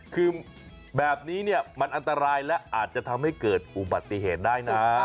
คือแบบนี้เนี่ยมันอันตรายและอาจจะทำให้เกิดอุบัติเหตุได้นะ